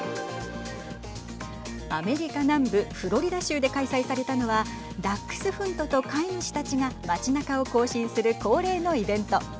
アメリカ南部フロリダ州で開催されたのはダックスフントと飼い主たちが街なかを行進する恒例のイベント。